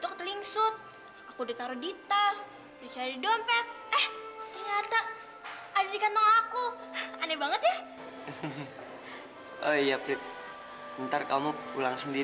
untuk saat saat lainnya